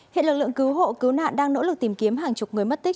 hiện lực lượng cứu hộ cứu nạn đang nỗ lực tìm kiếm hàng chục người mất tích